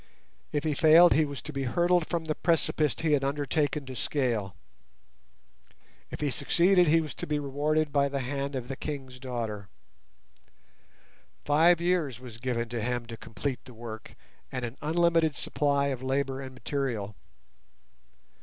If he failed he was to be hurled from the precipice he had undertaken to scale; if he succeeded, he was to be rewarded by the hand of the king's daughter. Five years was given to him to complete the work, and an unlimited supply of labour and material.